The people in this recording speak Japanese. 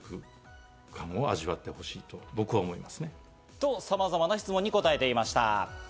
と、さまざまな質問に答えていました。